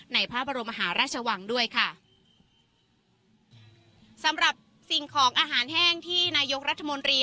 ในพระบรมมหาราชวังด้วยค่ะสำหรับสิ่งของอาหารแห้งที่นายกรัฐมนตรี